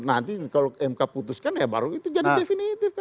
nanti kalau mk putuskan ya baru itu jadi definitif kan